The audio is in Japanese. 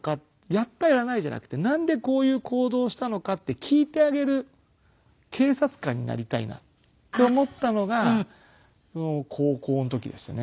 やったやらないじゃなくてなんでこういう行動をしたのかって聞いてあげる警察官になりたいなって思ったのが高校の時でしたね。